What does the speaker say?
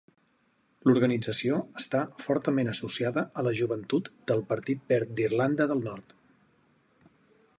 L'organització està fortament associada a la joventut del Partit Verd d'Irlanda del Nord.